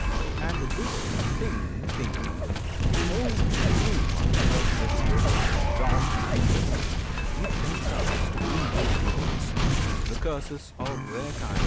And, this thing thinking, all those ruined ones Of little wit, dark minded give themselves To evil deeds, the curses of their kind.